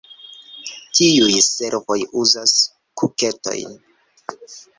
Tiuj servoj uzas kuketojn.